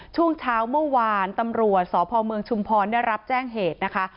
ช่วงเช้าเมื่อวานตำรวจสพเมืองชุมพรได้รับแจ้งเหตุนะคะ